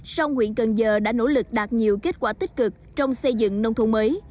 sông huyện cần giờ đã nỗ lực đạt nhiều kết quả tích cực trong xây dựng nông thôn mới